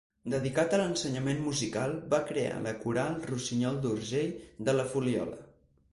Dedicat a l'ensenyament musical, va crear la coral Rossinyol d'Urgell de La Fuliola.